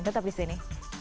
tetap di sini